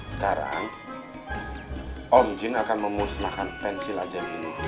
sekarang om jin akan memusnahkan pensil aja dulu